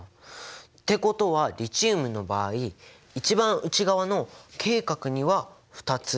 ってことはリチウムの場合一番内側のＫ殻には２つ。